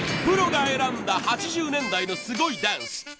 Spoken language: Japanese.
プロが選んだ８０年代のすごいダンス。